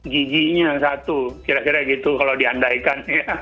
gigi nya satu kira kira gitu kalau diandaikan ya